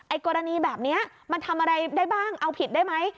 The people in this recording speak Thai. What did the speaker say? กรณีแบบนี้มันทำอะไรได้บ้างเอาผิดได้ไหม